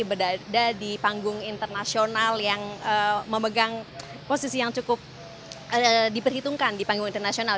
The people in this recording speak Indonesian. berada di panggung internasional yang memegang posisi yang cukup diperhitungkan di panggung internasional